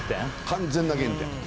完全な原点。